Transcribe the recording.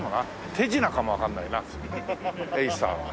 手品かもわからないなエイサーは。